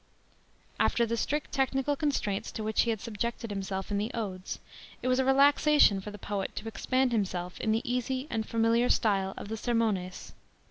C. After the strict technical constraints to which he had subjected himself in the Odes, it was a relaxation for the poet to expand him self in the easy and fami'iar st)le of the Sermones.